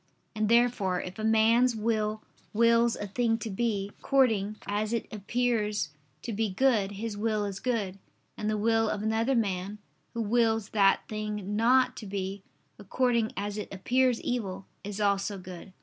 And therefore if a man's will wills a thing to be, according as it appears to be good, his will is good: and the will of another man, who wills that thing not to be, according as it appears evil, is also good.